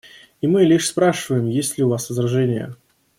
И мы лишь спрашиваем, есть ли у вас возражения.